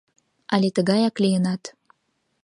Але тыгаяк лийынат?